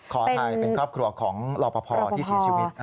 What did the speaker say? ครอบครัวของรอปภที่เสียชีวิต